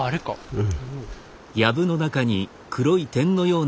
うん。